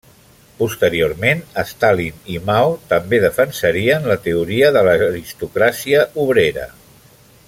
Posteriorment Stalin i Mao també defensarien la teoria de l'aristocràcia obrera.